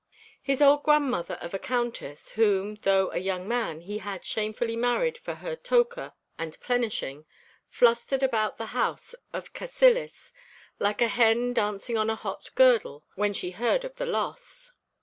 His old grandmother of a Countess, whom, though a young man, he had shamefully married for her tocher and plenishing, flustered about the house of Cassillis like a hen dancing on a hot girdle when she heard of the loss.